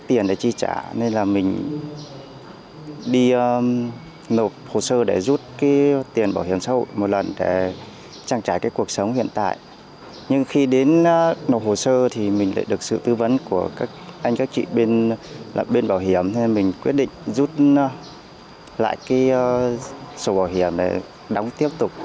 từ đó anh đã quyết định giúp lại sổ bảo hiểm để đóng tiếp tục